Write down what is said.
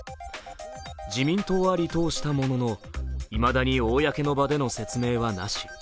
自民党は離党したもののいまだに公の場での説明はなし。